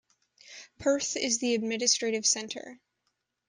Perth is the administrative centre.